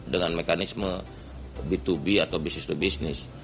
dengan mekanisme b dua b atau business to business